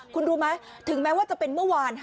คุณรู้ไหมถึงแม้ว่าจะเป็นเมื่อวาน